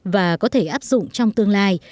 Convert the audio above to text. và có thể áp dụng trong tương lai